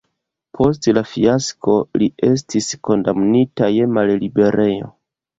Post la fiasko li estis kondamnita je malliberejo.